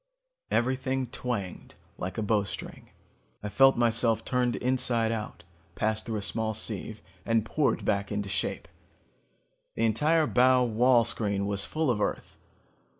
"Everything twanged like a bowstring. I felt myself turned inside out, passed through a small sieve, and poured back into shape. The entire bow wall screen was full of Earth.